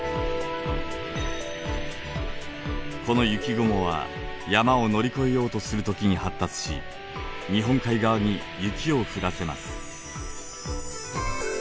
この雪雲は山を乗り越えようとする時に発達し日本海側に雪を降らせます。